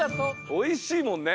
おいしいもんね。